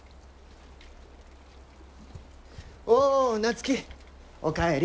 おう夏樹お帰り。